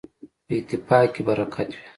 په اتفاق کي برکت وي.